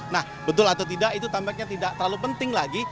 nah betul atau tidak itu tampaknya tidak terlalu penting lagi